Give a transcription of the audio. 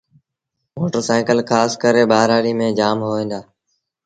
موٽر سآئيٚڪل کآس ڪري ٻآرآڙيٚ ميݩ جآم هئيٚن دآ۔